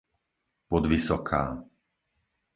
Podvysoká